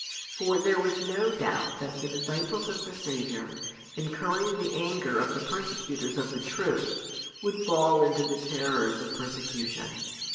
For there was no doubt that the disciples of the Saviour, incurring the anger of the persecutors of the truth, would fall into the terrors of persecution.